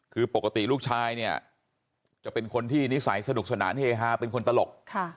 คือปกติลูกชายเนี่ยจะเป็นคนที่นิสัยสนุกสนานเฮฮาเป็นคนตลก